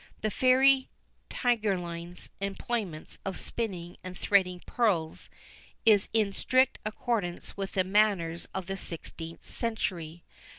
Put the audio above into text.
The Fairy Tigreline's employments of spinning and threading pearls, is in strict accordance with the manners of the sixteenth century.